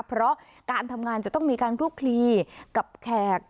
เพราะการทำงานจะต้องมีการคลุกคลีกับแขก